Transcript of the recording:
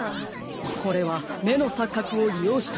これはめのさっかくをりようしたもんだいですね。